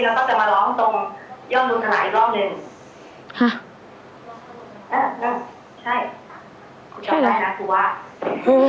เราก็จะมาน้องตรงย่อมรุสนาอีกรอบหนึ่ง